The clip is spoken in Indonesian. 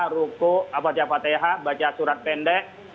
ruku abadzah fatihah baca surat pendek